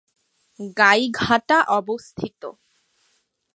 গাইঘাটা অবস্থিত।